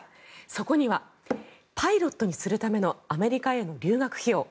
そこにはパイロットにするためのアメリカへの留学費用